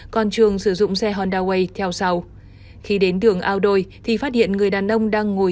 còn trường sử dụng xe honda way theo sau khi đến đường ao đôi thì phát hiện người đàn ông đang ngồi